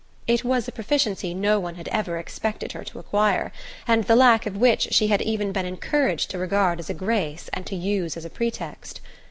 It was a proficiency no one had ever expected her to acquire, and the lack of which she had even been encouraged to regard as a grace and to use as a pretext.